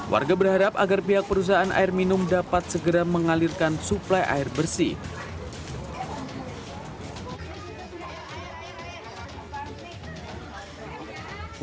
warga berharap agar pihak perusahaan air minum dapat segera mengalirkan suplai air bersih